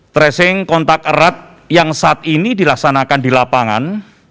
tracing kontak erat yang saat ini dilaksanakan di lapangan